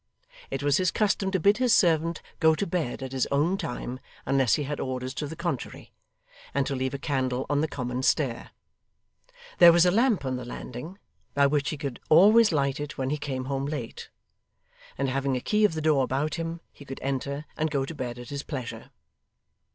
It was his custom to bid his servant go to bed at his own time unless he had orders to the contrary, and to leave a candle on the common stair. There was a lamp on the landing by which he could always light it when he came home late, and having a key of the door about him he could enter and go to bed at his pleasure.